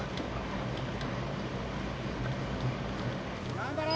・頑張れよ・・